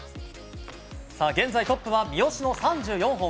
現在トップは三好の３４本。